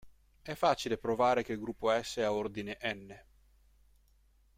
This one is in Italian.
È facile provare che il gruppo S ha ordine "n"!